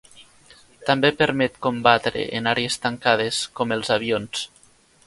També permet combatre en àrees tancades, com els avions.